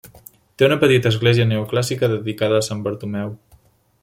Té una petita església neoclàssica dedicada a sant Bartomeu.